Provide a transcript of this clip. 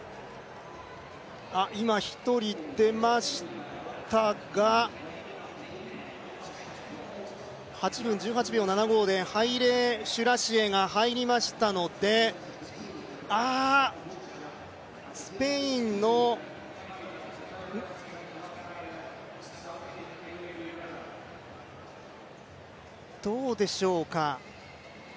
今、１人出ましたが８分１８秒７５でハイレシュラシエが入りましたのでスペインのどうでしょうか。